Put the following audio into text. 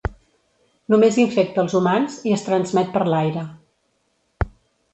Només infecta els humans i es transmet per l'aire.